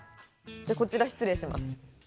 じゃこちら失礼します。